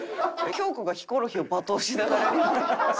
京子がヒコロヒーを罵倒しながら料理。